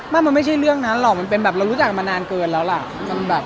มันไม่ใช่เรื่องนั้นหรอกมันเป็นแบบเรารู้จักกันมานานเกินแล้วล่ะ